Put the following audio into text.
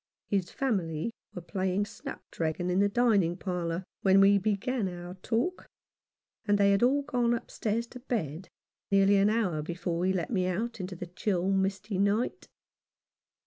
His family were playing snapdragon in the dining parlour when we began our talk, and they had all gone upstairs to bed nearly an hour before he let me out into the chill misty night.